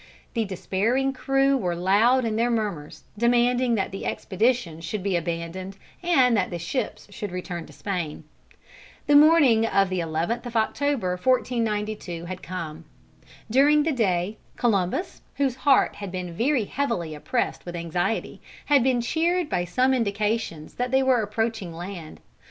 The despairing crew were loud in their murmurs, demanding that the expedition should be abandoned and that the ships should return to Spain. The morning of the 11th of October, 1492, had come. During the day Columbus, whose heart had been very heavily oppressed with anxiety, had been cheered by some indications that they were approaching land.